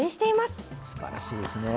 すばらしいですね。